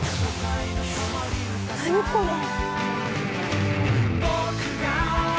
何これ？